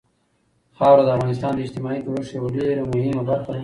خاوره د افغانستان د اجتماعي جوړښت یوه ډېره مهمه برخه ده.